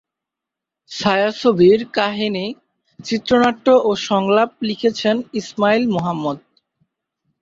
ছায়াছবিটির কাহিনী, চিত্রনাট্য ও সংলাপ লিখেছেন ইসমাইল মোহাম্মদ।